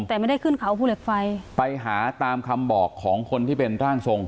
แต่ไม่ได้ขึ้นเขาภูเหล็กไฟไปหาตามคำบอกของคนที่เป็นร่างทรง